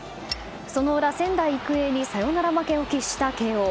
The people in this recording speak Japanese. その裏、仙台育英にサヨナラ負けを喫した慶應。